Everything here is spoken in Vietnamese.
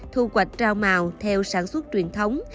thu hoạch rau màu theo sản xuất truyền thống